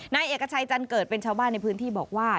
นายเอกชัยจันเกิดเป็นชาวบ้านในพื้นที่บอกว่า